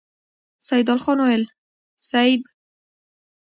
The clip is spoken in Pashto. سيدال خان وويل: صېب!